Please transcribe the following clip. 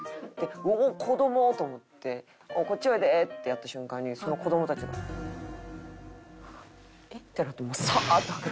おおー子ども！と思ってこっちおいでってやった瞬間にその子どもたちが。えっ？ってなってもう。